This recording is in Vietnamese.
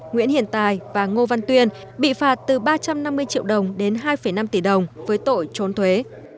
nguyễn hiền tài và ngô văn tuyên bị phạt từ ba trăm năm mươi triệu đồng đến hai năm tỷ đồng với tội trốn thuế